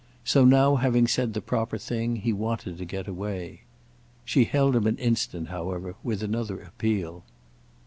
So now having said the proper thing, he wanted to get away. She held him an instant, however, with another appeal.